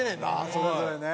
それぞれね。